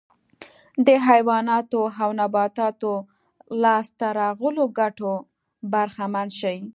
د حیواناتو او نباتاتو لاسته راغلو ګټو برخمن شي